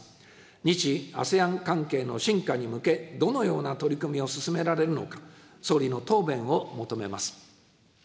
日・ＡＳＥＡＮ関係の深化に向け、どのような取り組みを進められるのか、総理の答弁を求めます。